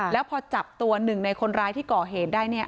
แล้วพอจับตัวหนึ่งในคนร้ายที่ก่อเหตุได้เนี่ย